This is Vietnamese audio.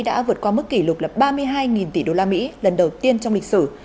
đã vượt qua mức kỷ lục là ba mươi hai tỷ đô la mỹ lần đầu tiên trong lịch sử